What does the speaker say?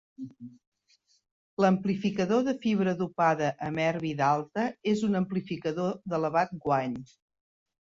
L'amplificador de fibra dopada amb erbi d'alta és un amplificador d'elevat guany.